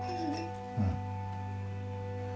うん。